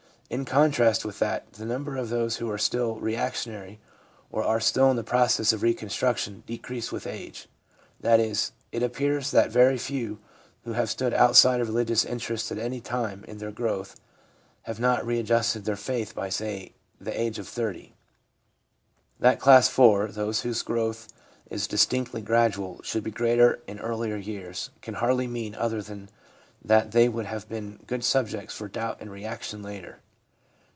In con trast with that, the number of those who are still re actionary, or are still in the process of reconstruction, decreases with age. That is, it appears that very few who have stood outside of religious interest at any time in their growth have not readjusted their faith by, say, the age of 30. That class four — those whose growth is distinctly gradual — should be greater in earlier years, can hardly mean other than that they would have been good subjects for doubt and reaction later.